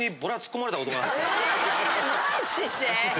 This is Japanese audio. マジで！？